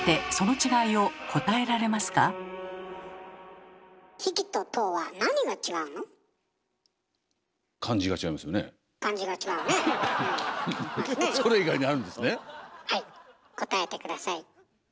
はい答えて下さい。